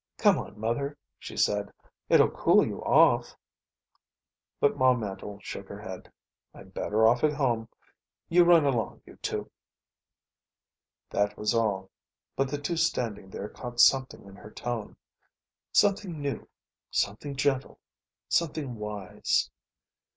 "Come on, Mother," she said. "It'll cool you off." But Ma Mandle shook her head. "I'm better off at home. You run along, you two." That was all. But the two standing there caught something in her tone. Something new, something gentle, something wise.